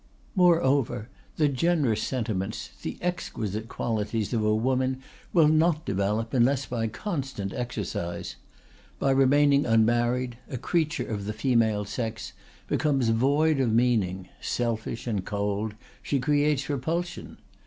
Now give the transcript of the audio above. Moreover, the generous sentiments, the exquisite qualities of a woman will not develop unless by constant exercise. By remaining unmarried, a creature of the female sex becomes void of meaning; selfish and cold, she creates repulsion.